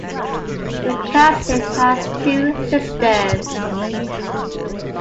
McCaslin has two sisters.